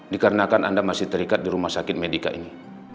dikarenakan anda masih terikat di rumah sakit medica ini